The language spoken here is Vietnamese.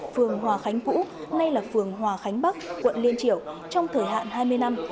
phường hòa khánh cũ nay là phường hòa khánh bắc quận liên triểu trong thời hạn hai mươi năm